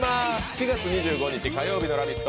４月２５日火曜日の「ラヴィット！」